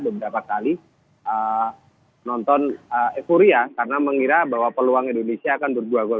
beberapa kali nonton euforia karena mengira bahwa peluang indonesia akan berdua gol